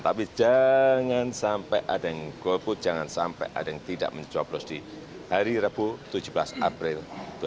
tapi jangan sampai ada yang golput jangan sampai ada yang tidak mencoblos di hari rabu tujuh belas april dua ribu dua puluh